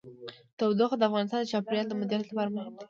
تودوخه د افغانستان د چاپیریال د مدیریت لپاره مهم دي.